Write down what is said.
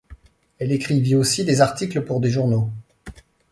Elle écrivit aussi des articles pour des journaux.